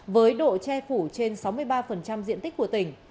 với độ che phủ trên sáu mươi ba diện tích của tỉnh